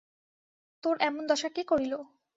তোর এমন দশা কে করিল?